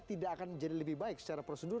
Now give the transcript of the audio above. tidak akan jadi lebih baik secara prosedur